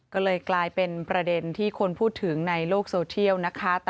ก็เลยกลายเป็นประเด็นที่คนพูดถึงในโลกโซเทียลนะคะ